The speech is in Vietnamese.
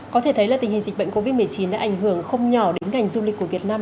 có thể thấy là tình hình dịch bệnh covid một mươi chín đã ảnh hưởng không nhỏ đến ngành du lịch của việt nam